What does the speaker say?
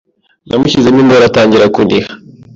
Nmushyizemo imboro atangira kuniha